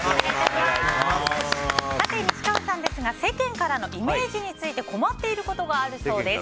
西川さんですが世間からのイメージについて困っていることがあるそうです。